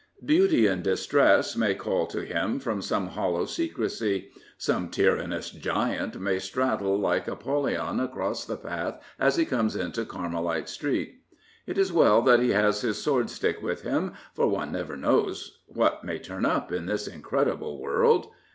Beauty in distress may call to him from some hollow secrecy; some tyrannous giant may straddle like Apollyon across the path as he turns into Carmelite Street. It is well that he has his swordstick with him, for one never knows what may turn up in this in credible world.